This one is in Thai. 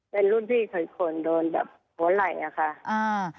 เป็นรุ่นพี่อีกคนโดนแบบหัวไหล่ค่ะ